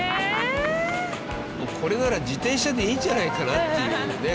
これなら自転車でいいんじゃないかなっていうね